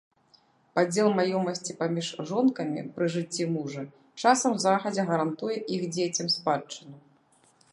Падзел маёмасці паміж жонкамі пры жыцці мужа часам загадзя гарантуе іх дзецям спадчыну.